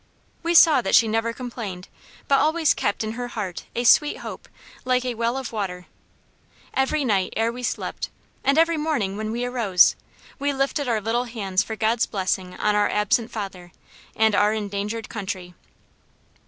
We saw that she never complained, but always kept in her heart a sweet hope, like a well of water. Every night ere we slept, and every morning when we arose, we lifted our little hands for God's blessing on our absent father, and our endangered country.